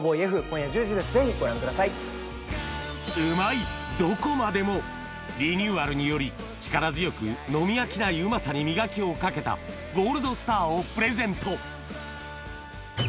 うまいどこまでもリニューアルにより力強く飲み飽きないうまさに磨きをかけた「ＧＯＬＤＳＴＡＲ」をプレゼント